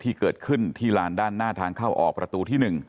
ที่เกิดขึ้นที่ลานด้านหน้าทางเข้าออกประตูที่๑